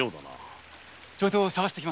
ちょいと捜してきます。